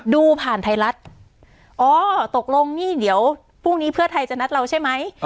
ดูผ่านไทยรัฐอ๋อตกลงนี่เดี๋ยวพรุ่งนี้เพื่อไทยจะนัดเราใช่ไหม